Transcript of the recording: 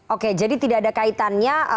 oke jadi tidak ada kaitannya